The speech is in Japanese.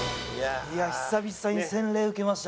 いや久々に洗礼受けました。